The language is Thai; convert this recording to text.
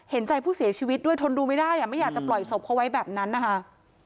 เห็นใจผู้เสียชีวิตด้วยทนดูไม่ได้ไม่อยากจะปล่อยศพเขาไว้แบบนั้นนะคะ